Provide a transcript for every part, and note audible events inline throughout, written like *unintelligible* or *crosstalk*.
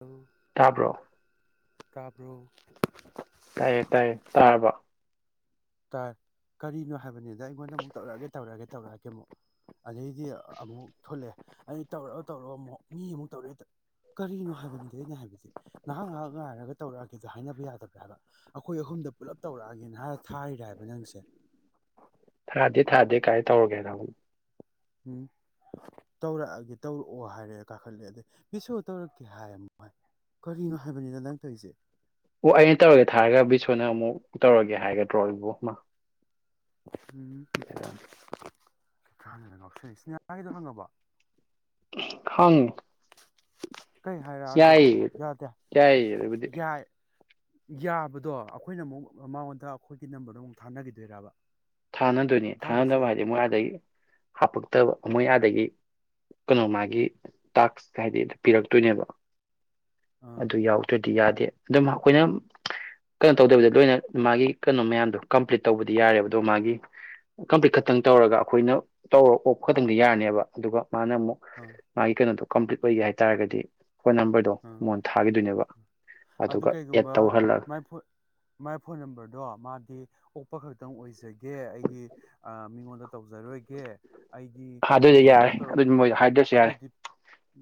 ꯑ ꯇꯥꯕ꯭ꯔꯣ ꯇꯥꯕ꯭ꯔꯣ ꯇꯥꯏꯌꯦ ꯇꯥꯏꯌꯦ ꯇꯥꯔꯕ ꯇꯔ ꯀꯔꯤꯅꯣ ꯍꯥꯏꯕꯅꯤꯗ ꯑꯩꯉꯣꯟꯗ ꯑꯃꯨꯛ ꯇꯧꯔꯛꯑꯒꯦ ꯇꯧꯔꯛꯑꯒꯦ ꯇꯧꯔꯛꯑꯒꯦ ꯑꯃꯨꯛ ꯑꯗꯩꯗꯤ ꯑꯃꯨꯛ ꯊꯣꯛꯂꯛꯑꯦ ꯑ ꯇꯧꯔꯑꯣ ꯇꯧꯔꯑꯣ ꯑꯃꯨꯛ ꯃꯤ ꯑꯃꯨꯛ ꯇꯧꯔꯛꯑꯦ ꯇꯧꯔꯛꯑꯦ ꯀꯔꯤꯅꯣ ꯍꯥꯏꯕꯅꯤꯗꯤ ꯑꯩꯅ ꯍꯥꯏꯕꯁ ꯉꯥꯏꯍꯥꯛ ꯉꯥꯏꯍꯥꯛ ꯉꯥꯏꯔꯒ ꯇꯧꯔꯛꯑꯒꯦꯗ ꯍꯥꯏꯅꯕ ꯌꯥꯗꯕ꯭ꯔꯥ ꯍꯥꯏꯕ ꯑꯩꯈꯣꯏ ꯑꯍꯨꯝꯗ ꯄꯨꯂꯞ ꯇꯧꯔꯛꯑꯒꯦꯅ ꯍꯥꯏꯔ ꯍꯥꯏꫪꯕ ꯅꯪꯁꯦ ꯊꯥꯗꯦ ꯊꯥꯗꯦ ꯀꯥꯏ ꯇꯧꯔꯒꯦ ꯇ ꯎꯝ ꯇꯧꯔꯛꯑꯒꯦ ꯇꯧꯔꯛꯑꯣ ꯍꯥꯏꯔꯦ ꯀꯥꯈꯠꯂꯦ ꯑꯗꯩ ꯁꯣ ꯇꯧꯔꯛꯀꯦ ꯍꯥꯏꯃꯣꯥꯏ ꯀꯔꯤꯅꯣ ꯍꯥꯏꯕꯅꯤꯅ ꯅꯪ ꯇꯧꯔꯤꯁꯦ ꯑꯣ ꯑꯩꯅ ꯇꯧꯔꯒꯦ ꯊꯥꯔꯒ ꯕꯤꯁꯣꯅ ꯑꯃꯨꯛ ꯇꯧꯔꯒꯦ ꯍꯥꯏꯒꯗ꯭ꯔꯣ ꯑꯩꯕꯣ ꯑꯩꯃ ꯌꯥꯔ ꯈꯤꯇꯪ *unintelligible* ꯄꯤꯂ꯭ꯏꯁ ꯉꯥꯁꯥꯏꯒꯤꯗꯣ ꯍꯪꯉꯕꯣ? ꯈꯪ *unintelligible* ꯌꯥꯏꯌꯦ ꯌꯥꯗꯦ ꯌꯥꯏꯌꯦ ꯑꯗꯨꯕꯨꯗꯤ ꯌꯥꯏ ꯌꯥꯕꯗꯣ ꯑꯩꯈꯣꯏꯅ ꯃꯨꯛ ꯑꯥ ꯃꯉꯣꯟꯗ ꯑꯩꯈꯣꯏꯒꯤ ꯅꯝꯕꯔꯗꯣ ꯑꯃꯨꯛ ꯊꯥꯅꯈꯤꯗꯣꯏꯔꯥꯕ? ꯊꯥꯅꯗꯣꯏꯅꯦ ꯊꯥꯅꯕ ꯍꯥꯏꯗꯤ ꯃꯣꯏ ꯑꯗꯩ ꯍꯞꯄꯛꯇꯕ꯫ ꯑꯣ ꯃꯣꯏ ꯑꯗꯩꯒꯤ ꯀꯩꯅꯣ ꯃꯥꯒꯤ ꯇꯥꯛꯁ ꯍꯥꯏꯗꯤ ꯄꯤꯔꯛꯇꯣꯏꯅꯦꯕ꯫ ꯑꯥ ꯑꯗꯨ ꯌꯥꯎꯗ꯭ꯔꯦꯠ ꯗꯤ ꯌꯥꯗꯦ ꯑꯗꯨꯝ ꯃꯈꯣꯏꯅ *unintelligible* ꯀꯩꯅꯣ ꯇꯧꯗꯣꯏꯕꯗꯤ ꯂꯣꯏꯅ ꯃꯥꯒꯤ ꯀꯩꯅꯣ ꯃꯌꯥꯝꯗꯣ ꯀꯝꯄ꯭ꯂꯤꯠ ꯇꯧꯕꯗꯤ ꯌꯥꯔꯦꯕ ꯑꯗꯣ ꯃꯥꯒꯤ ꯀꯝꯄ꯭ꯂꯤꯠ ꯈꯛꯇꯪ ꯇꯧꯔꯒ ꯑꯈꯣꯏꯅ ꯇꯧꯔꯣ ꯑꯣꯞ ꯈꯛꯇꯪꯗꯤ ꯌꯥꯔꯅꯦꯕ ꯑꯗꯨꯒ ꯃꯥꯅ ꯑꯃꯨꯛ ꯑꯥ ꯃꯥꯒꯤ ꯀꯩꯅꯣꯗꯣ ꯀꯝꯄ꯭ꯂꯤꯠ ꯑꯣꯏꯒꯦ ꯍꯥꯏ ꯇꯥꯔꯒꯗꯤ ꯑꯥ *unintelligible* ꯑꯗꯨ ꯑꯗꯨꯒ ꯑꯦꯠ ꯀꯩꯒꯨꯝꯕ ꯇꯧꯍꯜꯂꯒ ꯃꯥꯏ ꯐꯣꯟ ꯃꯥꯏ ꯐꯣꯟ ꯅꯝꯕꯔꯗꯣ ꯃꯥꯒꯤ ꯑꯣꯛꯄ ꯈꯛꯇꯪ ꯑꯣꯏꯖꯩ ꯒꯦ ꯑꯩꯒꯤ ꯑꯥ ꯃꯤꯉꯣꯟꯗ ꯇꯧꯖꯔꯣꯏꯒꯦ ꯑꯩꯒꯤ ꯑꯗꯨꯏꯗꯤ ꯗꯤꯌꯥꯅ ꯌꯥꯔꯦ ꯑꯗꯨꯗꯤ ꯇꯧꯔꯛꯄꯗꯨ ꯃꯣꯏꯗ ꯈꯛ ꯍꯥꯏꯗ꯭ꯔꯁꯨ ꯌꯥꯔꯦ ꯑꯥꯗꯨꯏꯗꯤ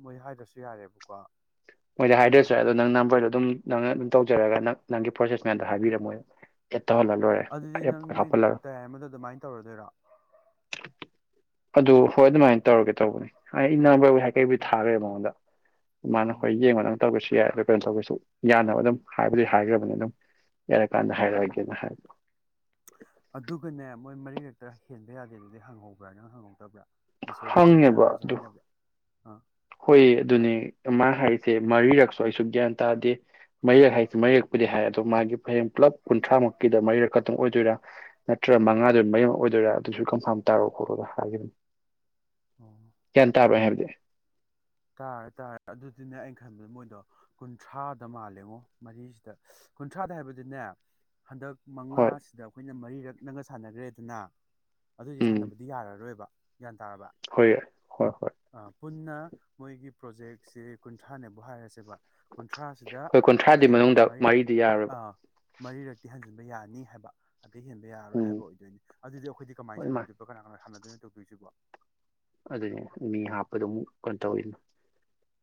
ꯃꯣꯏ ꯍꯥꯏꯗ꯭ꯔꯁꯨ ꯌꯥꯔꯦꯕꯀꯣ? ꯃꯣꯏꯗꯥ ꯍꯥꯏꯗ꯭ꯔꯁꯨ ꯌꯥꯔꯦ ꯑꯗꯣ ꯅꯪ ꯅꯝꯕꯔꯗꯣ ꯑꯗꯨꯝ ꯅꯪꯅ ꯎꯝ ꯇꯧꯖꯥꯔꯒꯅ ꯅꯪꯒꯤ ꯄ꯭ꯔꯣꯁꯦꯁ ꯃꯌꯥꯝꯗꯣ ꯎꯝ ꯍꯥꯏꯕꯤꯔꯝꯃꯣꯏ ꯇꯧꯍꯜꯂ ꯂꯣꯏꯔꯦ ꯑꯗꯨꯗꯤ ꯅꯪ ꯅꯣꯏ ꯍꯥꯞꯍꯜꯂꯒ ꯇꯌꯥꯏ ꯑꯃꯗ ꯑꯗꯨꯃꯥꯏꯅ ꯇꯧꯔꯗꯣꯏꯔꯣ ꯑꯗꯨ ꯍꯣꯏ ꯑꯗꯨꯃꯥꯏꯅ ꯇꯧꯔꯒꯦ ꯇꯧꯕꯅꯤ ꯍꯥꯏ ꯏꯅꯕꯕꯨ ꯍꯥꯏ ꯀꯩꯕꯨ ꯎꯝ ꯊꯥꯒ꯭ꯔꯦ ꯃꯉꯣꯟꯗ꯫ ꯏꯃꯥꯅꯣ ꯑꯩꯈꯣꯏ ꯎꯝ ꯌꯦꯡꯕꯇꯪ ꯇꯧꯒꯦꯁꯨ ꯌꯥꯏ ꯑꯗꯣ ꯀꯩꯅꯣ ꯇꯧꯒꯦꯁꯨ ꯌꯥꯅꯕ ꯑꯗꯨꯝ ꯍꯥꯏꯕꯨꯗꯤ ꯍꯥꯏꯈ꯭ꯔꯕꯅꯤ ꯑꯗꯨꯝ ꯌꯥꯔ ꯀꯟꯗꯥ ꯍꯥꯏꯔꯛ ꯑꯒꯦꯅ ꯍꯥꯏꯕ ꯑꯥꯗꯨꯒꯅꯦꯝ ꯃꯣꯏ ꯃꯔꯤꯔꯛꯇ ꯍꯦꯟꯕ ꯌꯥꯗꯦꯗꯨꯗꯤ ꯍꯪ ꯍꯧꯕ꯭ꯔ ꯅꯪ ꯍꯪ ꯍꯧꯗꯕ꯭ꯔ? ꯍꯪꯉꯦꯕ ꯑꯗꯨ *inaudible* ꯑꯥ ꯍꯣꯏ ꯑꯗꯨꯅꯦ ꯃꯥ ꯍꯥꯏꯁꯦ ꯃꯔꯤꯔꯛꯁꯨ ꯑꯩꯁꯨ ꯒ꯭ꯌꯥꯟ ꯇꯥꯗꯦ, ꯃꯔꯤꯔꯛ ꯍꯥꯏꯁꯦ ꯃꯔꯤꯔꯛ ꯄꯨꯗꯤ ꯍꯥꯏ ꯑꯗꯣ ꯃꯥꯒꯤ ꯍꯥꯌꯦꯡ ꯄꯨꯂꯞ ꯀꯨꯟꯊ꯭ꯔꯥꯃꯨꯛ ꯀꯤꯗ ꯃꯔꯤꯔꯛ ꯀꯛꯇꯪ ꯑꯣꯏꯗꯣꯏꯔꯥ ꯅꯠꯇ꯭ꯔꯒ ꯃꯉꯥꯗꯨꯗ ꯃꯔꯤꯔꯛ ꯑꯣꯏꯗꯣꯏꯔꯥ ꯑꯗꯨꯁꯨ ꯀꯟꯐꯥꯝ ꯇꯥꯔꯣ ꯈꯣꯠꯂꯣꯗꯣ ꯍꯥꯏꯈꯤꯕꯅꯦ꯫ ꯑꯣ ꯒ꯭ꯌꯥꯟ ꯇꯥꯕ꯭ꯔ ꯑꯩ ꯍꯥꯏꯕꯗꯤ? ꯇꯥꯔꯦ ꯇꯥꯔꯦ ꯑꯗꯨꯗꯤꯅꯦ ꯑꯩꯅ ꯈꯟꯕꯗ ꯃꯣꯏꯗꯣ ꯀꯨꯟꯊ꯭ꯔꯥꯗ ꯃꯥꯜꯂꯦꯉꯣ ꯃꯔꯤꯁꯤꯗ *unintelligible* ꯀꯨꯟꯊ꯭ꯔꯥꯗ ꯍꯥꯏꯕꯗꯤꯅꯦ ꯍꯟꯗꯛ ꯍꯣꯏ ꯃꯉꯥꯁꯤꯗ ꯑꯈꯣꯏꯅ ꯃꯔꯤꯔꯛ ꯅꯪꯒ ꯁꯥꯟꯅꯒ꯭ꯔꯦꯗꯅ ꯑꯗꯨꯗꯤ ꯎꯝ ꯁꯥꯟꯅꯕꯗꯤ ꯌꯥꯔꯔꯣꯏꯕ ꯒ꯭ꯌꯥꯟ ꯇꯥꯔꯕ ꯍꯣꯏ ꯍꯣꯏ ꯍꯣꯏ ꯑꯥ ꯄꯨꯟꯅ *inaudible* ꯃꯣꯏꯒꯤ ꯄ꯭ꯔꯣꯖꯦꯛꯁꯦ ꯀꯨꯟꯊ꯭ꯔꯥꯅꯦꯕꯨ ꯍꯥꯏꯔꯁꯦꯕ ꯀꯨꯟꯊ꯭ꯔꯥꯁꯤꯗ ꯍꯣꯏ ꯀꯨꯟꯊ꯭ꯔꯥꯗꯤ ꯃꯤ ꯑꯃꯗ ꯃꯅꯨꯡꯗ ꯃꯔꯤꯔꯛ ꯃꯔꯤꯗꯤ ꯌꯥꯔꯣꯏꯕ ꯑꯥ ꯃꯔꯤꯔꯛꯇꯤ ꯍꯟꯖꯤꯟꯕ ꯌꯥꯅꯤ ꯍꯥꯏꯕ ꯑꯗꯩ ꯍꯦꯟꯕ ꯌꯥꯔꯣꯏ ꯎꯝ ꯍꯥꯏꯕ ꯑꯣꯏꯗꯣꯏꯅꯤ ꯑꯗꯨꯗꯤ ꯑꯩꯈꯣꯏꯗꯤ ꯀꯃꯥꯏ ꯍꯣꯏ ꯃꯥ ꯁꯥꯟꯅꯗꯣꯏꯕ ꯀꯅꯥ ꯀꯅꯥꯥ *unintelligible* ꯇꯦꯄꯤꯛꯁꯤꯕꯣ ꯑꯗꯨꯅꯦ ꯃꯤ ꯍꯥꯞꯄꯗꯣ ꯑꯃꯨꯛ ꯀꯩꯅꯣ ꯇꯧꯋꯤꯅꯦ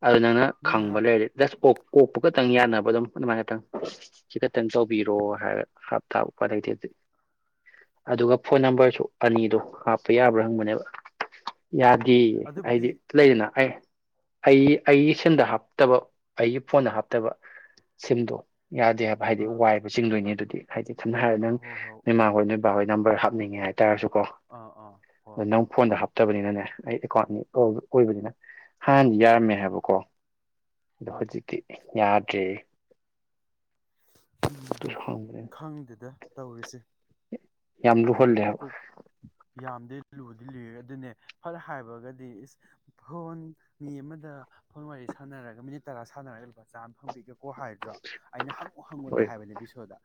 ꯑꯗꯨ ꯅꯪꯅ ꯃꯤ ꯈꯪꯕ ꯍꯥꯞ ꯂꯩꯔꯗꯤ ꯗꯁ ꯀꯣꯛꯄ ꯈꯛꯇꯪ ꯌꯥꯅꯕ ꯑꯗꯨꯝ ꯑꯗꯨꯃꯥꯏ ꯈꯇꯪ ꯁꯤ ꯈꯛꯇꯪ ꯇꯧꯕꯤꯔꯣ ꯍꯥꯏꯔꯒ ꯍꯥꯞꯇꯥꯕ ꯎꯄꯥꯏ ꯂꯩꯇꯦ ꯑꯗꯨꯗꯤ ꯑꯗꯨꯒ ꯐꯣꯟ ꯅꯝꯕꯔꯁꯨ ꯑꯅꯤꯗꯣ ꯍꯥꯞꯄ ꯌꯥꯕ꯭ꯔꯥ ꯍꯪꯕꯅꯦꯕ ꯎꯝ ꯌꯥꯗꯦꯌꯦ ꯑꯗꯨꯕꯨꯗꯤ ꯍꯥꯏꯗꯤ ꯂꯩꯗꯅ ꯑꯩ ꯑꯩ ꯑꯩꯒꯤ ꯁꯤꯟꯗ ꯍꯥꯞꯇꯕ ꯑꯩꯒꯤ ꯐꯣꯟꯗ ꯍꯥꯞꯇꯕ ꯁꯤꯝꯗꯣ ꯌꯥꯗꯦ ꯍꯥꯏꯕ ꯍꯥꯏꯗꯤ ꯑꯥ ꯋꯥꯏꯕ ꯆꯤꯡꯗꯣꯏꯅꯤ ꯑꯗꯨ ꯍꯥꯏꯗꯤ ꯁꯝꯅ ꯍꯥꯏꯔ ꯅꯪ ꯍꯣꯏ ꯍꯣꯏ ꯅꯣꯏꯃꯥ ꯍꯣꯏ *unintelligible* ꯅꯝꯕꯔ ꯍꯥꯞꯅꯤꯡꯉꯦ ꯍꯥꯏ ꯇꯔꯁꯨꯀꯣ ꯑꯥ ꯑꯥ ꯍꯣꯏ ꯑꯗꯣ ꯅꯪ ꯐꯣꯟꯗ ꯍꯥꯞꯇꯕꯅꯤꯅꯅꯦ ꯑꯩ ꯑꯦꯀꯥꯎꯟꯅꯤ ꯑꯣꯏꯕꯅꯤꯅ ꯍꯥꯟꯅꯗꯤ ꯌꯥꯔꯝꯃꯦ ꯍꯥꯏꯕꯀꯣ ꯎꯝ ꯍꯨꯖꯤꯛꯇꯤ ꯌꯥꯗ꯭ꯔꯦ ꯑꯗꯨꯁꯨ ꯍꯪꯕꯅꯤꯅ ꯈꯪꯗꯦꯗ ꯇꯧꯔꯤꯁꯦ ꯌꯥꯝ ꯂꯨ *unintelligible* ꯌꯥꯝꯗꯦ ꯂꯨꯗꯤ ꯂꯨꯏ ꯑꯗꯨꯅꯦ ꯐꯠ ꯍꯥꯏꯔꯒꯗꯤ ꯏꯁ ꯐꯣꯟ ꯃꯤ ꯑꯃꯗ ꯐꯣꯟ ꯋꯥꯔꯤ ꯁꯥꯟꯅꯔꯒ ꯃꯤꯅꯤꯠ ꯇꯔꯥ ꯁꯥꯟꯅꯔꯒ ꯂꯨꯄꯥ ꯆꯥꯝ ꯍꯪ ꯄꯣꯛꯒꯦꯀꯣ ꯍꯥꯏꯗ꯭ꯔꯣ ꯑꯩꯅ ꯍꯪꯉꯨ ꯍꯪꯉꯨꯗꯦ ꯍꯣꯏ ꯍꯥꯏꯕꯅꯦ ꯕꯤꯁꯣꯗ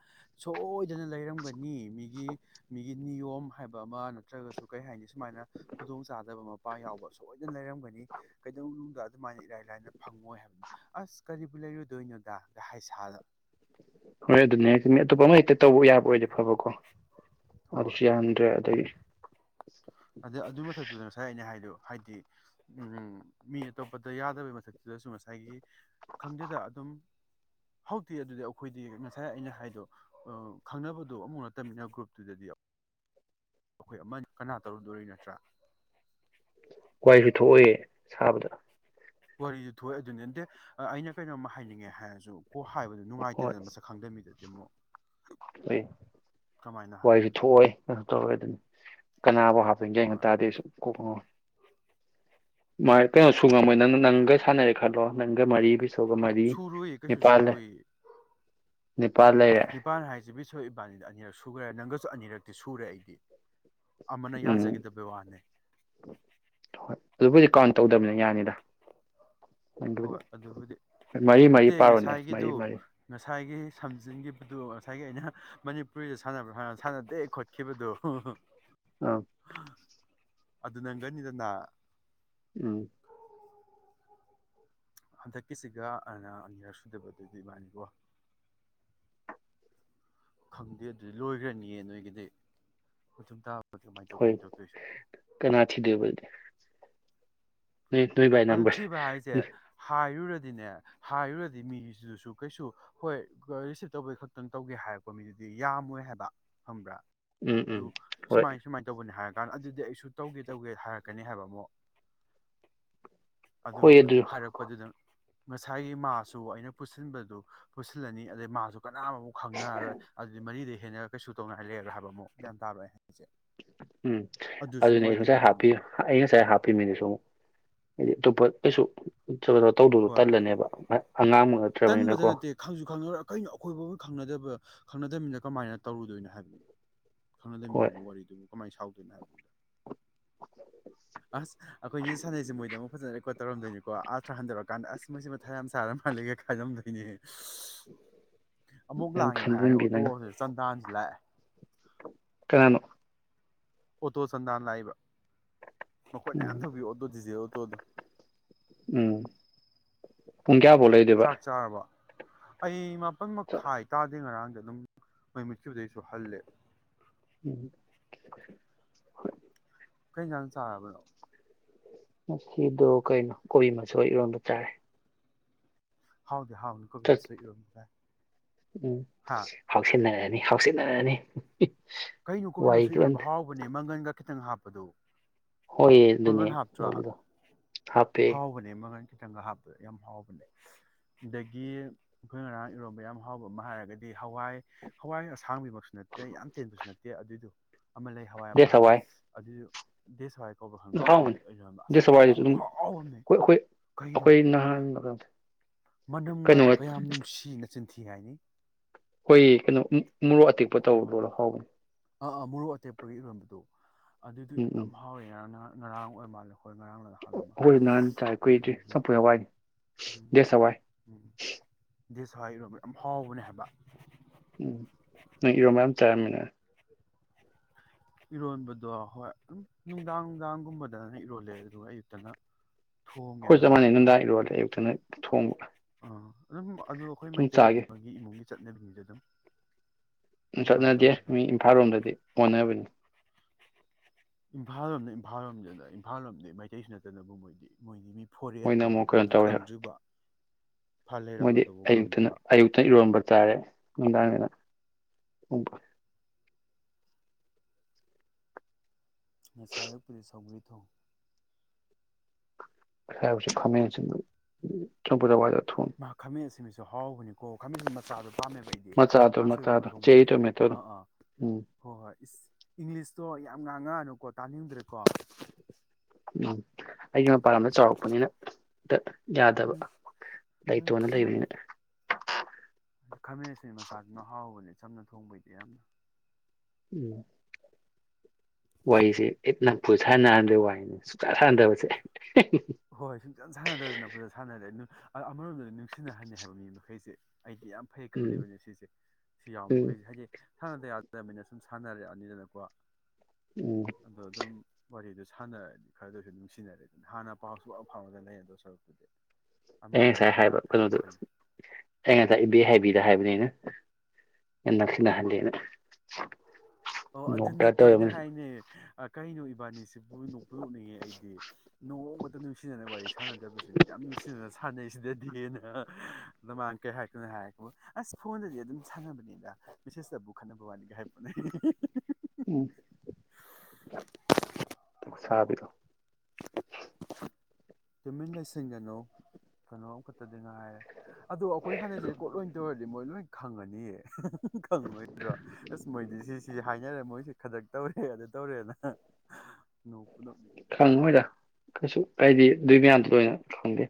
ꯁꯣꯏꯗꯅ ꯂꯩꯔꯝꯒꯅꯤ ꯃꯤꯒꯤ ꯒꯤ ꯅꯤꯌꯣꯝ ꯍꯥꯏꯕ ꯑꯃ ꯅ ꯅꯠꯇ꯭ꯔꯒꯁꯨ ꯀꯩ ꯍꯥꯏꯅꯤ ꯁꯨꯃꯥꯏꯅ ꯈꯨꯗꯣꯡ ꯆꯥꯗꯕ ꯃꯄꯥ ꯌꯥꯎꯕ ꯁꯣꯏꯗꯅ ꯂꯩꯔꯝꯒꯅꯤ ꯀꯩꯗꯧꯅꯨꯡꯗ ꯑꯗꯨꯃꯥꯏꯅ ꯏꯔꯥꯏ ꯂꯥꯏꯅ ꯐꯪꯉꯣꯏ ꯍꯥꯏꯕꯅꯤ ꯑꯁ ꯀꯔꯤꯕꯨ ꯂꯩꯔꯨꯗꯣꯏꯅꯣꯗ ꯒ ꯍꯥꯏꯁꯥꯗ ꯍꯣꯏ ꯑꯗꯨꯅꯦ ꯃꯤ ꯑꯇꯣꯞꯄ ꯑꯃ ꯍꯦꯛꯇ ꯇꯧꯕ ꯌꯥꯕ ꯑꯣꯏꯗ ꯑꯐꯕꯀꯣ ꯍꯣꯏ ꯑꯗꯨꯁꯨ ꯌꯥꯔꯝꯗ꯭ꯔꯦ ꯑꯗꯒꯤ *unintelligible* ꯑꯗ ꯑꯗꯨ ꯃꯊꯛꯇꯨꯗ ꯉꯁꯥꯏ ꯑꯩꯅ ꯍꯥꯏꯗꯣ ꯍꯥꯏꯗꯤ ꯎꯝ ꯃꯤ ꯑꯇꯣꯞꯄꯗ ꯌꯥꯗꯕꯩ ꯃꯊꯛꯇꯨꯗꯁꯨ ꯉꯁꯥꯏꯒꯤ ꯈꯪꯗꯦꯗ ꯑꯗꯨꯝ ꯍꯧꯗꯤ ꯑꯗꯨꯗꯤ ꯑꯩꯈꯣꯏꯗꯤ ꯉꯁꯥꯏ ꯑꯩꯅ ꯍꯥꯏꯗꯣ ꯈꯪꯅꯕꯗꯤ ꯑꯃꯨꯛ ꯅꯠꯇꯕꯃꯤꯅ ꯒ꯭ꯔꯨꯞꯇꯨꯗꯗꯤ ꯑꯈꯣꯏ ꯑꯃ ꯀꯅꯥ ꯇꯧꯔꯨꯗꯣꯔꯤ ꯅꯠꯇ꯭ꯔꯥ ꯋꯥꯏꯁꯨ ꯊꯣꯛꯑꯣꯏꯌꯦ ꯁꯥꯕꯗ ꯋꯥꯔꯤꯗꯤ ꯊꯣꯛꯑꯦ ꯑꯗꯨꯅꯤ ꯅꯗꯦ ꯑꯩꯅ ꯀꯩꯅꯣꯝꯃ ꯍꯥꯏꯅꯤꯡꯉꯦ ꯍꯥꯏꯔꯁꯨ ꯀꯣ ꯍꯥꯏꯕꯗꯨ ꯍꯣꯏ ꯅꯨꯡꯉꯥꯏꯇꯦꯗꯅ ꯃꯁꯛ ꯈꯪꯗꯝꯃꯤꯗꯗꯤ *unintelligible* ꯍꯣꯏ ꯋꯥꯁꯨ ꯍꯥꯏꯕꯅꯣ ꯊꯣꯛꯑꯣꯏ ꯇꯧꯔꯣꯏ ꯑꯗꯨꯅꯤ꯫ ꯀꯅꯥꯕꯨ? ꯒꯌ꯭ꯥꯟ ꯍꯣꯏ ꯒ ꯇꯥꯗꯦ ꯑꯩꯁꯨ ꯀꯣꯛꯀ ꯉꯥꯎꯏ꯫ ꯃꯥꯥꯏ ꯀꯩꯅꯣꯁꯨ ꯉꯝꯃꯣꯏ ꯅꯪ ꯅꯪꯒ ꯁꯥꯟꯅꯔꯦ ꯈꯜꯂꯣ ꯅꯪꯒ ꯃꯔꯤ ꯕꯤꯁꯣꯒ ꯃꯔꯤ ꯁꯨꯔꯣꯏꯌꯦ ꯀꯩꯁꯨ ꯅꯤꯄꯥꯜ ꯂꯩ ꯁꯨꯔꯣꯏꯌꯦ ꯅꯤꯄꯥꯜ ꯂꯩꯔꯦ꯫ ꯅꯤꯄꯥꯟ ꯆꯠ ꯑꯅꯤꯔꯛꯇꯤ ꯁꯨꯔꯦ ꯑꯩꯗꯤ꯫ ꯑꯃꯅ ꯎꯝ ꯌꯥꯖꯈꯤꯗꯕ ꯋꯥꯅꯦ꯫ ꯍꯣꯏ ꯑꯗꯨꯕꯨꯗꯤ ꯀꯥꯎꯟ ꯇꯧꯗꯕꯅꯤ ꯌꯥꯅꯤꯗ꯫ ꯅꯪꯒꯤꯕꯨꯗꯤ ꯍꯣꯏ ꯑꯗꯨꯕꯨꯗꯤ ꯍꯣꯏ ꯃꯔꯤ ꯃꯔꯤ ꯅꯠꯇꯦ ꯄꯥꯔꯣꯅꯦ ꯃꯔꯤ ꯉꯁꯥꯏꯒꯤꯗꯨ ꯃꯔꯤ ꯉꯁꯥꯏ ꯉꯁꯥꯏꯒꯤ ꯁꯝꯖꯤꯟꯈꯤꯕꯗꯨꯣ ꯉꯁꯥꯏꯒꯤ ꯑꯩꯅ ꯃꯅꯤꯄꯨꯔꯤꯗ ꯁꯥꯟꯅꯕ ꯁꯥꯟꯅꯗꯦ ꯈꯣꯠꯈꯤꯕꯗꯣ꯫ *unintelligible* ꯑꯗꯨ ꯅꯪꯒꯅꯤꯗꯅ꯫ ꯎꯝ꯫ ꯍꯟꯗꯛꯀꯤꯁꯤꯒ ꯑꯅ ꯑꯅꯤꯌꯥꯔꯛ ꯁꯨꯗꯣꯏꯕ ꯑꯥ ꯗꯨꯒꯤ ꯏꯕꯥꯅꯤꯀꯣ꯫ ꯈꯪꯗꯦ ꯑꯗꯨꯗꯤ ꯂꯣꯏꯈ꯭ꯔꯅꯤꯌꯦ ꯅꯣꯏꯒꯤꯗꯤ ꯈꯨꯊꯨꯝ ꯇꯥꯕ ꯍꯣꯏ ꯀꯅꯥ ꯊꯤꯗꯣꯏꯕꯗꯤ꯫ ꯅꯣꯏ ꯅꯣꯏ ꯕꯥꯏ ꯅꯝꯕꯔ ꯁꯦ ꯗꯤꯅꯦ ꯍꯥꯏꯔꯨꯔꯗꯤ ꯃꯤꯗꯨꯁꯨ ꯀꯩꯁꯨ ꯍꯣꯏ ꯔꯤꯁꯤꯞ ꯇꯧꯕꯩ ꯈꯛꯇꯪ ꯇꯧꯒꯦ ꯍꯥꯏꯔꯛꯄꯣ ꯃꯤꯗꯨꯗꯤ ꯌꯥꯝꯃꯣꯏ ꯍꯥꯏꯕ ꯈꯪꯕ꯭ꯔꯥ꯫ ꯎꯝ ꯎꯝ ꯍꯣꯏ ꯁꯨꯃꯥꯏ ꯁꯨꯃꯥꯏꯅ ꯇꯧꯕꯅꯤ ꯍꯥꯏꯒ ꯀ ꯑꯗꯨꯗꯤ ꯑꯩꯁꯨ ꯇꯧꯒꯦ - ꯇꯧꯒꯦ ꯍꯥꯏꯔꯛꯀꯅꯤ ꯍꯥꯏꯕ ꯑꯃꯨꯛ꯫ ꯑꯗꯨ ꯍꯥꯏꯔꯛꯄꯗꯨꯗ ꯉꯁꯥꯏꯒꯤ ꯃꯥꯁꯨ ꯑꯩꯅ ꯄꯨꯁꯤꯟꯕꯗꯨ ꯄꯨꯁꯤꯜꯂꯅꯤ ꯑꯗꯩ ꯃꯥꯁꯨ ꯀꯅꯥꯃꯨꯛ ꯈꯪꯅꯔꯔꯣꯏ ꯑꯗꯨꯗꯤ ꯃꯔꯤꯗ ꯍꯦꯟꯅ ꯀꯩꯁꯨ ꯇꯧꯅꯉꯥꯏ ꯂꯩꯔꯔꯥ ꯍꯥꯏꯕ ꯑꯃꯨꯛ ꯒ꯭ꯌꯥꯟ ꯇꯥꯕꯔꯥ ꯑꯩꯅ ꯍꯥꯏꯁꯦ? ꯎꯝ ꯑꯗꯨꯅꯦ ꯑꯩ ꯉꯁꯥꯏ ꯍꯥꯞꯄꯤ ꯑꯃꯨꯛ ꯑꯩꯅ ꯉꯁꯥꯏ ꯍꯥꯞꯄꯤꯃꯤꯗꯤꯁꯨ ꯑꯃꯨꯛ ꯏꯗꯤ ꯇꯣꯞꯄꯥ ꯀꯩꯁꯨ ꯀꯩꯅꯣ ꯇꯧꯗꯧꯗꯣ ꯍꯣꯏ ꯇꯜꯂꯅꯦꯕ ꯑꯉꯥꯡꯃꯛ ꯅꯠꯇ꯭ꯔꯕꯅꯤꯅꯀꯣ ꯇꯟꯕꯗ ꯅꯠꯇꯦ ꯈꯪꯁꯨ ꯈꯪꯅ ꯀꯩꯅꯣ ꯑꯩꯈꯣꯏꯕꯕꯨ ꯈꯪꯅꯗꯕ ꯈꯪꯅꯗꯕꯃꯤꯅ ꯀꯃꯥꯏꯅ ꯇꯧꯔꯨꯗꯣꯏꯅꯣ ꯍꯥꯏꯕꯅꯤ꯫ ꯍꯣꯏ ꯈꯪꯅꯗꯃꯤꯗꯨꯕꯨ ꯋꯥꯔꯤꯗꯨꯕꯨ ꯀꯃꯥꯏꯅ ꯁꯥꯎꯗꯣꯏꯅꯣ ꯍꯥꯏꯕꯗ, ꯑꯁ ꯑꯩꯈꯣꯏꯅ ꯁꯥꯟꯅꯩꯁꯦ ꯃꯣꯏꯗꯤ ꯑꯃꯨꯛ ꯔꯣꯀꯣꯠ ꯇꯧꯔꯝꯗꯣꯏꯅꯤꯀꯣ ꯑꯥꯊꯔ ꯍꯟꯊꯔꯛ ꯀꯥꯟꯗ ꯑꯁ ꯃꯣꯏ ꯃꯊꯥ ꯌꯥꯝ ꯁꯥꯔ ꯃꯥꯂꯒꯦ ꯈꯥꯖꯝꯗꯣꯏꯅꯦ꯫ ꯑꯃꯨꯛ ꯌꯥꯝ ꯂꯥꯡꯉꯦꯕ ꯍꯥꯏꯔꯅꯤ ꯈꯟꯖꯤꯟꯕꯤ ꯅꯪ ꯑꯣꯇꯣꯁꯤ ꯆꯟꯗꯥꯟꯁꯤ꯫ ꯂꯥꯛ ꯀꯅꯥ ꯅꯣ? ꯑꯣꯇꯣ ꯆꯟꯗꯥꯟ ꯂꯥꯛꯏꯕ꯫ ꯃꯈꯣꯟ ꯌꯥꯝ ꯎꯝ ꯊꯣꯀꯄꯤ ꯑꯣꯇꯣ ꯗꯤꯖꯤꯜ꯫ ꯇꯣꯗꯣ ꯎꯝ ꯄꯨꯡ ꯀꯌꯥꯐꯥꯎ ꯂꯩꯗꯣꯏꯕ ꯑꯩꯃ ꯃꯈꯥꯏ ꯇꯥꯗꯦ ꯉꯔꯥꯡ ꯑꯗꯨꯝ ꯃꯩ ꯃꯨꯠꯈꯤꯕꯗꯩꯁꯨ ꯍꯜꯂꯦ ꯎꯝ ꯍꯣꯏ ꯀꯩ ꯉꯥꯟ ꯆꯥꯔꯕꯅꯣ ꯉꯁꯤꯗꯣ ꯀꯩꯅꯣ ꯀꯣꯕꯤ ꯃꯁꯣꯟ ꯏꯔꯣꯟꯕ ꯆꯥꯔꯦ *unintelligible* *unintelligible* ꯀꯣꯕꯤ ꯃꯁꯣꯏ ꯏꯔꯣꯟꯕ ꯎꯝ *unintelligible* ꯍꯥ ꯍꯥꯎꯁꯤꯟꯅꯔꯅꯤ ꯍꯥꯎꯁꯤꯟꯅꯔꯅꯤ ꯀꯩꯅꯣ ꯀꯣꯕꯤ ꯃꯁꯣꯏ ꯋꯥꯔꯤꯒꯤ ꯏꯔꯣꯟꯕ ꯑꯣꯏꯅ ꯍꯥꯎꯕꯅꯦ ꯃꯪꯒꯟꯒ ꯈꯤꯇꯪ ꯍꯥꯞꯄꯗꯣ ꯍꯣꯏꯌꯦ ꯑꯗꯨꯅꯦ ꯃꯪꯒꯟ ꯍꯥꯞꯇ꯭ꯔꯣ ꯂꯣꯜꯂꯤꯗꯣ ꯍꯥꯞꯄꯦ ꯍꯥꯎꯕꯅꯦ ꯃꯪꯒꯟ ꯈꯤꯇꯪꯒ ꯍꯥꯞꯄꯗ ꯌꯥꯝ ꯍꯥꯎꯕꯅꯦ ꯑꯗꯒꯤ ꯑꯈꯣꯏ ꯉꯔꯥꯡ ꯏꯔꯣꯟꯕ ꯌꯥꯝ ꯍꯥꯎꯕ ꯑꯃ ꯍꯥꯏꯔꯒꯗꯤ ꯍꯋꯥꯏ ꯍꯋꯥꯏ ꯑꯁꯥꯡꯕꯤꯃꯛꯁꯨ ꯅꯠꯇꯦ ꯌꯥꯝ ꯇꯦꯟꯕꯁꯨ ꯅꯠꯇꯦ ꯇꯦ ꯑꯗꯨꯏꯗꯣ ꯑꯃ ꯂꯩ ꯍꯋꯥꯏ ꯗꯦꯁ ꯑꯃ ꯍꯋꯥꯏ ꯑꯗꯨ ꯗꯦꯁ ꯍꯋꯥꯏ ꯈꯪꯗꯦ ꯑꯗꯨꯗꯤ ꯍꯥꯎꯕꯅꯤ ꯑꯩꯅꯣ ꯍꯥꯏ ꯑꯁ ꯗꯦꯁ ꯍꯋꯥꯏꯗꯨꯁꯨ ꯑꯗꯨꯝ ꯈꯍꯥꯎ ꯑꯝꯅꯦ ꯑꯩꯈꯣꯏ ꯀꯩꯅꯣ ꯑꯩꯈꯣꯏ ꯑꯩꯈꯣꯏ ꯅꯍꯥꯟ ꯀꯩꯅꯣ ꯃꯅꯝꯒꯗꯣ ꯀꯌꯥꯝ ꯅꯨꯡꯁꯤꯅ ꯆꯤꯟꯊꯤ ꯍꯥꯏꯅꯤ ꯍꯣꯏ ꯀꯩꯅꯣ ꯎꯝ ꯃꯣꯔꯣꯛ ꯑꯇꯦꯛꯄ ꯈꯨꯍꯥꯎ ꯑꯃ ꯇꯧꯔꯗꯔꯣ ꯍꯥꯎꯕꯅꯤ ꯑꯥ ꯑꯥ ꯃꯣꯔꯣꯛ ꯑꯇꯦꯞꯄꯒ ꯏꯔꯣꯟꯕꯗꯣ ꯑꯗꯨꯗꯨ ꯌꯥꯝ ꯍꯥꯎꯋꯦ ꯉꯔꯥꯡ ꯅꯍꯥꯟ ꯉꯔꯥꯡ ꯑꯣꯏ ꯃꯥꯜꯂ ꯍꯣꯏ ꯅꯍꯥꯟ ꯆꯥꯏ ꯀꯨꯏꯗ꯭ꯔꯤ ꯑꯗꯒꯤ ꯆꯝꯐꯨꯠ ꯍꯋꯥꯏ ꯗꯦꯁ ꯍꯋꯥꯏ ꯗꯦꯁ ꯍꯋꯥꯏ ꯏꯔꯣꯝꯕ ꯌꯥꯝ ꯍꯥꯎꯕꯅꯦ ꯍꯥꯏꯕ ꯎꯝ ꯅꯪ ꯏꯔꯣꯝꯕ ꯌꯥꯝ ꯆꯥꯔꯝꯃꯤꯅ ꯏꯔꯣꯟꯕꯗꯣ ꯍꯣꯏ ꯑꯗꯨꯝ ꯅꯨꯡꯗꯥꯡ ꯅꯨꯡꯗꯥꯡꯒꯨꯝꯕꯗꯅ ꯏꯔꯣꯜꯂꯦ ꯑꯗꯨꯒ ꯑꯌꯨꯛꯇꯅ ꯊꯣꯡꯉꯦ ꯍꯣꯏ ꯆꯞ ꯑꯅꯝꯕꯅ ꯃꯥꯟꯅꯩ ꯑꯩꯈꯣꯏ ꯅꯨꯡꯗꯥꯡ ꯏꯔꯣꯜꯂꯦ ꯑꯌꯨꯛꯇꯅ ꯊꯣꯡꯕ ꯑ ꯑꯗꯨ ꯑꯗꯨ ꯑꯈꯣꯏ ꯁꯨꯝ ꯃꯩꯇꯩ ꯆꯥꯒꯤ ꯑꯃꯒꯤ ꯏꯃꯨꯡꯒꯤ ꯆꯠꯅꯕꯤꯅꯤꯗ ꯑꯗꯨꯝ ꯑꯗꯨꯃꯥꯏꯅ ꯆꯠꯅꯗꯦ ꯃꯤ ꯇꯧꯅꯕꯅꯦ ꯏꯝꯐꯥꯜ ꯂꯣꯝꯗꯗꯤ ꯑꯣꯟꯅꯕꯅꯤ ꯏꯝꯐꯥꯜ ꯂꯣꯝꯗ ꯏꯝꯐꯥꯜ ꯂꯣꯝꯗ ꯏꯝꯐꯥꯜ ꯂꯣꯝꯗꯤ ꯃꯩꯇꯩꯁꯤꯁꯨ ꯅꯠꯇꯅꯕꯨ ꯃꯣꯏꯗꯤ ꯃꯣꯏꯗꯤ ꯃꯤ ꯐꯣꯔꯦꯟ ꯃꯣꯏꯅ ꯑꯃꯨꯛ ꯑꯣꯜꯂꯕꯨ ꯀꯩꯅꯣ ꯅꯪ ꯇꯧꯋꯦ ꯈꯪꯗ꯭ꯔꯤꯕ ꯐ ꯃꯣꯏꯗꯤ ꯂꯩꯔꯛꯑꯒꯗꯨꯕꯨ ꯑꯌꯨꯛꯇꯅ ꯈꯪꯗ꯭ꯔꯣ ꯑꯌꯨꯛꯇꯅ ꯏꯔꯣꯟꯝꯕ ꯇꯥꯔꯦ ꯅꯨꯡꯗꯥꯡ ꯑꯣꯝꯕ ꯉ ꯁꯥꯏꯗ ꯁꯣꯏꯊꯧꯊꯧ ꯍꯁ ꯈꯝ ꯆꯝꯄꯨꯗ ꯋꯥ ꯃꯥ ꯈꯝꯃꯦ ꯑꯁꯤ ꯁꯨ ꯍꯥꯎꯕꯅꯤꯀꯣ ꯈ ꯃꯆꯥꯗꯣ ꯄꯥꯝꯃꯦꯕ ꯑꯩꯗꯤ ꯃꯆꯥꯗꯣ ꯀꯥꯡꯁꯣꯏꯒꯨꯝꯕ ꯃꯆꯥꯗꯣ ꯆꯦꯔꯤ ꯊꯣꯡꯕꯩꯗꯤ ꯇꯣꯃꯦꯇꯣꯗꯣ ꯑꯥ ꯑꯥ ꯎꯝ ꯍꯣꯏ ꯍꯣꯏ ꯏꯪꯂꯤꯁꯇꯣ ꯌꯥꯝ ꯉꯥꯡꯉꯛꯑꯅꯨꯀꯣ ꯇꯥꯅꯤꯡꯗ꯭ꯔꯦꯀꯣ ꯎꯝ ꯑꯩꯒꯤ ꯃꯄꯥꯟ ꯂꯝꯗ ꯆꯥꯎꯔꯛꯄꯅꯤꯅ ꯌꯥꯗꯕ ꯎꯝ ꯎꯝ ꯂꯩꯇꯣꯟꯅ ꯎꯝ ꯂꯩꯔꯤꯅꯦ ꯈꯥꯃꯦꯟ ꯑꯁꯤ ꯃꯆꯥꯥꯗꯨꯅ ꯍꯥꯎꯕꯅꯦ ꯆꯝꯅ ꯊꯣꯡꯕꯩꯗꯤ ꯌꯥꯝꯅ ꯎꯝ ꯋꯥꯏꯁꯤꯦ ꯏꯅꯪ ꯐꯨ ꯁꯥꯟꯅꯍꯟꯗꯦ ꯋꯥꯏꯅꯦ ꯁꯨꯀꯥꯟ ꯁꯥꯟꯊꯕꯁꯦ ꯍꯣꯏ ꯁꯨꯡꯆꯟ ꯁꯥꯟꯅꯗꯗꯅꯗ ꯁꯥꯟꯅꯔꯦ ꯑꯃꯔꯣꯝꯗꯗꯤ ꯅꯨꯡꯁꯤꯅꯍꯜꯂꯤꯦ ꯍꯥꯏꯕ ꯃꯤ ꯃꯈꯩꯁꯦ ꯑꯩꯗꯤ ꯌꯥꯝ ꯐꯩ ꯎꯝ ꯈꯜꯂꯤꯦꯕꯅꯦ ꯁꯤꯁꯦ ꯁꯤ ꯌꯥꯎꯕ ꯎꯝ ꯃꯈꯩꯁꯦ ꯍꯥꯏꯗꯤ ꯊꯥꯡꯅꯗ ꯇꯃꯤꯅ ꯁꯨꯝ ꯁꯥꯟꯅꯔꯦ ꯑꯅꯤꯗꯅꯀꯣ ꯎꯝ ꯑꯗꯣ ꯑꯗꯨꯝ ꯋꯥꯔꯤꯗꯨ ꯁꯥꯟꯅꯔꯗꯤ ꯈꯔꯗ ꯑꯣꯏꯁꯨ ꯅꯨꯡꯁꯤꯅꯔꯦ ꯑꯗꯨꯅ ꯍꯥꯟꯅ ꯄꯥꯎꯁꯨ ꯑꯐꯥꯎꯕꯅ ꯂꯩ ꯑꯗꯣ ꯁꯔꯨꯛꯄꯨꯗꯤ ꯑꯩ ꯉꯁꯥꯏ ꯑꯃꯔꯣꯝꯗꯗꯤ ꯍꯥꯏꯕ ꯌꯥꯝ ꯐꯩꯌꯦꯕꯨ ꯀꯩꯅꯣꯗꯨ ꯈꯜꯂꯤ ꯑꯩ ꯉꯁꯥꯏ ꯏꯕꯦ ꯍꯥꯏꯕꯤꯗ ꯍꯥꯏꯕꯅꯤꯩꯅ ꯑꯦꯅ ꯈꯅꯍꯂꯅ ꯑꯣ ꯑꯗꯨꯅꯦ ꯑꯩꯅ ꯍꯥꯏꯅꯦ ꯀꯔꯤꯩꯅꯣꯕ ꯕꯥꯅꯤꯁꯤ ꯄꯨ ꯅꯣꯛ ꯄꯨ ꯅꯣꯛꯅꯤꯡꯉꯦ ꯑꯩꯗꯤ ꯅꯣꯡꯃꯇ ꯅꯨꯡꯁꯤꯅꯅ ꯋꯥꯔꯤ ꯁꯥꯟꯅꯗꯕꯁꯤꯅ ꯌꯥꯝ ꯅꯨꯡꯁꯤꯅꯅ ꯁꯥꯟꯅꯩ ꯁꯤꯗ ꯍꯦꯅ ꯅꯃꯥꯡ ꯀꯩ ꯍꯥꯏꯀꯣꯏꯅ ꯍꯥꯏꯔꯕꯨ ꯑꯁ ꯐꯣꯟꯗꯗꯤ ꯑꯗꯨꯝ ꯁꯥꯟꯅꯕꯅꯤꯗ ꯃꯦꯁꯦꯖꯇꯕꯨ ꯈꯠꯅꯕ ꯋꯥꯠꯂꯤꯒ ꯍꯥꯏ ꯄꯣꯠꯅ ꯎꯝ ꯁꯥꯕꯤꯔꯣꯑꯣ ꯇꯨꯃꯤꯟ ꯂꯩꯁꯟꯒꯅꯣ ꯀꯩꯅꯣ ꯑꯃꯈꯛꯇ ꯉꯥꯏꯔꯦ ꯑꯗꯣ ꯑꯩꯈꯣꯏ ꯁꯥꯟꯅꯩꯁꯤꯗꯤ ꯀꯣꯠ ꯂꯣꯏ ꯇꯧꯔꯗꯤ ꯃꯣꯏ ꯂꯣꯏ ꯈꯪꯉꯅꯤ ꯌꯦꯑꯌꯦ ꯈꯪꯉꯣꯏꯗ꯭ꯔꯣ ꯑꯁ ꯃꯣꯏꯗꯤ ꯁꯤꯁꯤ ꯍꯥꯏꯅꯔꯦ ꯃꯣꯏꯁꯤ ꯈꯖꯛ ꯇꯧꯔꯦ ꯑꯗꯨ ꯇꯧꯔꯦꯅ ꯅꯣꯛꯄꯨ ꯅꯣꯛꯅꯤꯡꯉꯤꯗꯩꯗꯤ ꯈꯪꯉꯣꯏꯗ ꯀꯩꯁꯨ ꯀꯗꯤ ꯑꯗꯨꯏ ꯃꯌꯥꯝꯗꯣ ꯂꯣꯏꯅ ꯈꯪꯗꯦ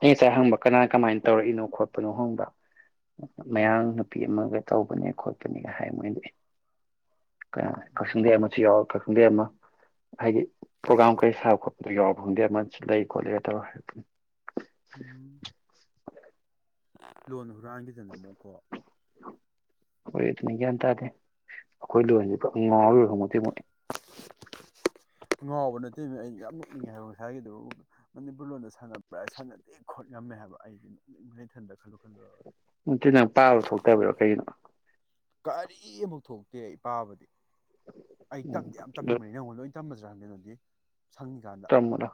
ꯑꯩ ꯉꯁꯥꯏ ꯍꯪꯕ ꯀꯅꯥ ꯀꯃꯥꯏꯅ ꯇꯧꯔꯛꯏꯅꯣ ꯈꯣꯠꯄꯅꯣ ꯍꯪꯕ ꯎꯝ ꯃꯌꯥꯡ ꯅꯨꯄꯤ ꯑꯃꯒ ꯇꯧꯕꯅꯦ ꯈꯣꯠꯄꯅꯦ ꯍꯥꯏ ꯃꯣꯏꯗꯤ ꯎꯝ *unintelligible* ꯌꯥꯎ ꯀꯛꯆꯤꯡꯗꯩ ꯑꯃ ꯍꯥꯏꯗꯤ ꯄ꯭ꯔꯣꯒꯥꯝ ꯀꯔꯤ ꯁꯥꯕ ꯈꯣꯠꯄꯗ ꯌꯥꯎꯕ ꯈꯪꯗꯦ ꯑꯃ ꯂꯩ ꯈꯣꯠꯂꯦ ꯇꯧ ꯍꯥꯏ ꯂꯣꯟꯅ ꯍꯨ ꯍꯨꯔꯥꯟꯒꯤꯗꯅ ꯑꯃꯨꯛꯀꯣ ꯍꯣꯏ ꯑꯗꯨꯅꯦ ꯒ꯭ꯌꯥꯟ ꯇꯥꯗꯦ ꯑꯩꯈꯣꯏ ꯂꯣꯟꯁꯤ ꯉꯥꯎꯔꯤꯕ ꯈꯪꯄꯣꯠꯇꯦ ꯃꯣꯏ ꯉꯥꯎꯕ ꯅꯠꯇꯦꯃꯤ ꯑꯩ ꯌꯥꯝ ꯅꯣꯛꯅꯤꯡꯉꯦ ꯍꯥꯏꯕ ꯉꯁꯥꯏꯒꯤꯗꯣ ꯃꯅꯤꯄꯨꯔ ꯂꯣꯟꯗ ꯁꯥꯟꯅ ꯕ꯭ꯔꯥ ꯁꯥꯟꯅꯗꯦ ꯈꯣꯠ ꯉꯝꯃꯦ ꯍꯥꯏꯕ ꯑꯩ ꯑꯩꯊꯟꯗ ꯈꯜꯂꯨ ꯈꯜꯂꯨꯔꯒ ꯅꯠꯇꯦ ꯅꯪ ꯄꯥꯕ ꯊꯣꯛꯇꯕꯩꯔꯣ ꯀꯩꯒꯤꯅꯣ ꯀꯔꯤ ꯑꯃꯨꯛ ꯊꯣꯛꯇꯦ ꯏꯄꯥꯕꯗꯤ ꯑꯩ ꯎꯝ ꯇꯝꯗꯦ ꯌꯥꯝ ꯑꯗꯨ ꯇꯝꯅꯤꯡꯕꯅꯤ ꯅꯪꯉꯣꯟꯗ ꯍꯧꯖꯤꯛ ꯇꯝꯃꯤꯁꯤꯅꯤ *unintelligible* ꯁꯪꯉꯤꯀꯥꯟꯗ ꯇꯝꯃꯨ ꯂꯥꯎ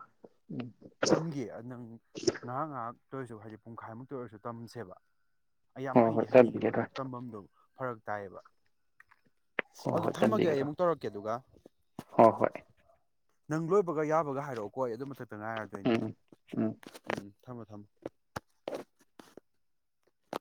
ꯇꯝꯒꯦ ꯅꯪ ꯉꯍꯥꯛ ꯉꯍꯥꯛ ꯗꯣꯏꯁꯨ ꯍꯥꯏꯗꯤ ꯄꯨꯡꯈꯥꯏ ꯃꯨꯛꯇ ꯑꯣꯏꯔꯁꯨ ꯍꯥꯏꯗꯤ ꯇꯝꯁꯦꯕ ꯑꯩ ꯌꯥꯝ ꯍꯣꯏ ꯍꯣꯏ ꯍꯩꯗꯤ ꯍꯩꯅꯤꯡꯉꯦꯕ ꯆꯟꯕꯤꯒꯗ꯭ꯔꯥ ꯑꯗꯨ ꯇꯝꯐꯝꯗꯨ ꯐꯔꯛ ꯇꯥꯏꯌꯦꯕ ꯍꯣꯏ ꯑꯗꯨ ꯍꯣꯏ ꯊꯝꯃꯒꯦ ꯑꯩ ꯆꯟꯕꯤꯒꯗ꯭ꯔꯥ ꯑꯃꯨꯛ ꯇꯧꯔꯛꯀꯦ ꯑꯗꯨꯒ ꯍꯣꯏ ꯍꯣꯏ ꯅꯪ ꯂꯣꯏꯕꯒ ꯌꯥꯕꯒ ꯍꯥꯏꯔꯛꯎꯀꯣ ꯑꯗꯨꯝ ꯈꯛ ꯉꯥꯏꯔꯗꯣꯏꯅꯤ ꯎꯝ ꯎꯝ ꯎꯝ ꯎꯝ ꯊꯝꯃꯣ ꯊꯝꯃꯣ